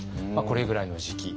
これぐらいの時期。